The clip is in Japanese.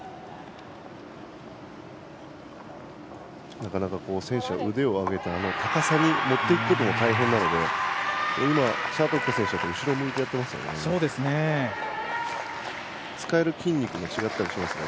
なかなか選手は腕を上げて高さに持っていくことも大変なので謝徳樺選手は後ろを向いてやっていますね。